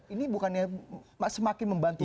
ini bukannya semakin membantu